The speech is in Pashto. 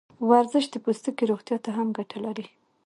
ورزش د پوستکي روغتیا ته هم ګټه لري.